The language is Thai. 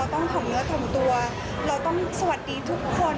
ต้องถมเนื้อถ่อมตัวเราต้องสวัสดีทุกคน